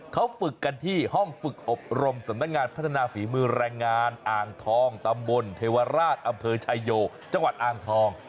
เขาฝึกกันที่ห้องฝึกอบรมสำนักงานพัฒนาฝีมือแรงงานอ่างทองตำบลเทวราชอำเภอชายโยจังหวัดอ่างทอง